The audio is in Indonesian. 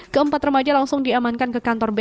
keempat remaja langsung diamankan kekeluargaan